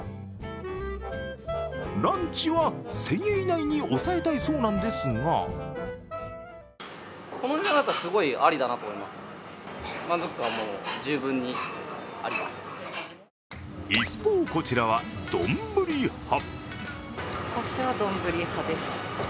ランチは１０００円以内に抑えたいそうなんですが一方、こちらは、どんぶり派。